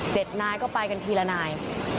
นายก็ไปกันทีละนาย